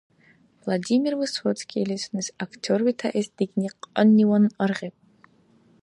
Владимир Высоцкийли сунес актер ветаэс дигни кьанниван аргъиб.